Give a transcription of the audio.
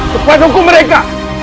tepat nunggu mereka